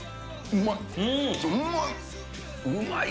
うんまい！